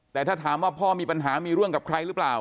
แต่ถ้าถามว่าพ่อมีปัญหามีเรื่องกับใครหรือเปล่า